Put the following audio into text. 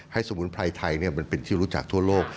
ให้สมมุติปลายไทยเป็นที่รู้จักทั่วโลก